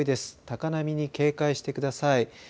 高波に警戒してください。